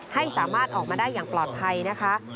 ให้สามารถออกมาได้อย่างปลอดภัยนะคะ